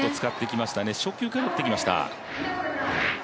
初球から打ってきました。